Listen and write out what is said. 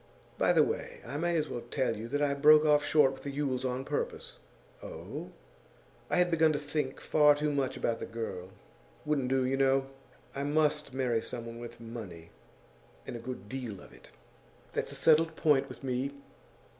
By the way, I may as well tell you that I broke short off with the Yules on purpose.' 'Oh?' 'I had begun to think far too much about the girl. Wouldn't do, you know. I must marry someone with money, and a good deal of it. That's a settled point with me.